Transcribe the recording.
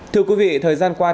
thưa quý vị thời gian qua